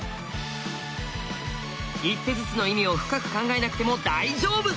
一手ずつの意味を深く考えなくても大丈夫！